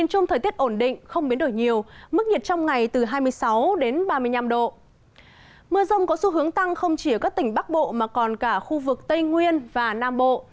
mưa rông có xu hướng tăng không chỉ ở các tỉnh bắc bộ mà còn cả khu vực tây nguyên và nam bộ